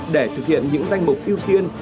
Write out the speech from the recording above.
để thực hiện những danh mục ưu tiên